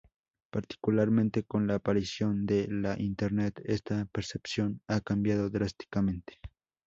Particularmente con la aparición de la Internet, esta percepción ha cambiado drásticamente.